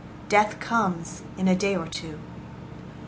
Death comes in a day or two.